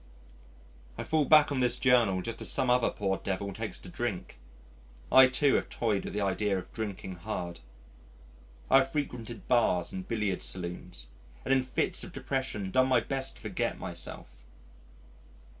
I fall back on this Journal just as some other poor devil takes to drink. I, too, have toyed with the idea of drinking hard. I have frequented bars and billiards saloons and in fits of depression done my best to forget myself.